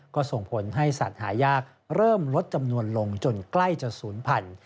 ก็ส่งผลให้สัตว์หายากเริ่มลดจำนวนลงจนใกล้จะศูนย์พันธุ